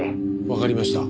わかりました。